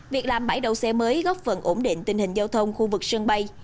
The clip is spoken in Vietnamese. việc làm bãi đậu xe mới góp phần ổn định tình hình giao thông khu vực sân bay